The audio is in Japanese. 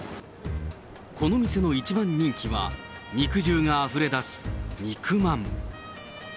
この店の一番人気は、肉汁があふれ出す肉まん。